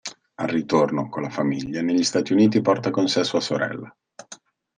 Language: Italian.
Al ritorno, con la famiglia, negli Stati Uniti porta con sé sua sorella.